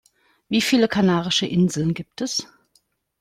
Wie viele Kanarische Inseln gibt es?